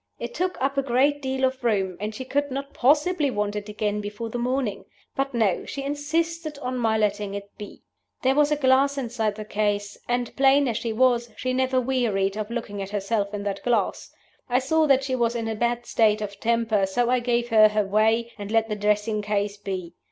It took up a great deal of room; and she could not possibly want it again before the morning. But no; she insisted on my letting it be. There was a glass inside the case; and, plain as she was, she never wearied of looking at herself in that glass. I saw that she was in a bad state of temper, so I gave her her way, and let the dressing case be.